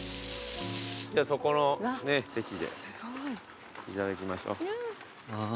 そこの席でいただきましょう。